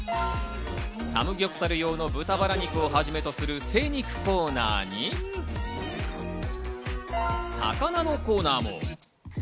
サムギョプサル用の豚バラ肉をはじめとする精肉コーナーに、魚のコーナーも。